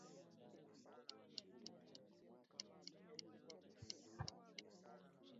Ameishi maisha ya kupewa sifa.